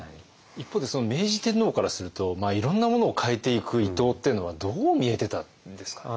一方で明治天皇からするといろんなものを変えていく伊藤っていうのはどう見えてたんですかね。